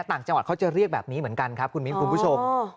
ต่างจังหวัดเขาจะเรียกแบบนี้เหมือนกันครับคุณมิ้นคุณผู้ชม